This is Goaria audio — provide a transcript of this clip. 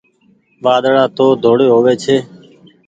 وآڌڙآ تو ڌوڙي هووي ڇي۔